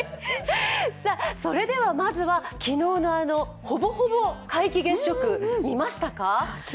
それではまずは昨日のほぼほぼ皆既月食、見ましたか。